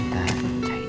pentingnya akan diima